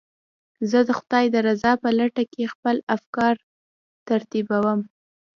زه د خدای د رضا په لټه کې خپل افکار ترتیبوم.